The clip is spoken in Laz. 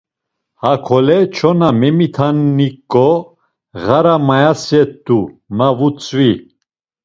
Hakele çona memitanik̆o, ğara mayaset̆u, ma vutzvi.